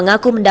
oh gitu ya